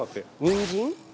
にんじん？